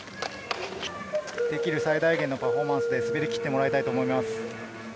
できる最大限のパフォーマンスで滑りきってもらいたいと思います。